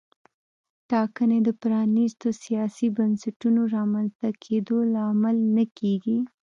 ټاکنې د پرانیستو سیاسي بنسټونو رامنځته کېدو لامل نه کېږي.